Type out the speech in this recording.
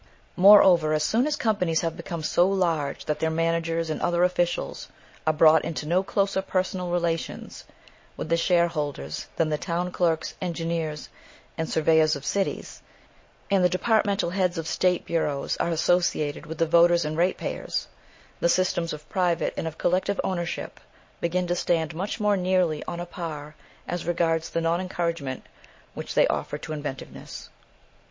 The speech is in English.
Moreover, as soon as companies have become so large that their managers and other officials are brought into no closer personal relations with the shareholders than the town clerks, engineers, and surveyors of cities, and the departmental heads of State bureaus are associated with the voters and ratepayers, the systems of private and of collective ownership begin to stand much more nearly on a par as regards the non encouragement which they offer to inventiveness.